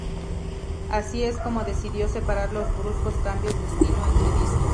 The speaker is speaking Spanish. Así es como decidió separar los bruscos cambios de estilo entre discos.